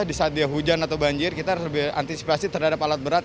di saat dia hujan atau banjir kita harus lebih antisipasi terhadap alat berat